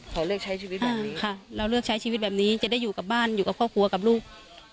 ขอเลือกใช้ชีวิตแบบนี้ค่ะเราเลือกใช้ชีวิตแบบนี้จะได้อยู่กับบ้านอยู่กับครอบครัวกับลูก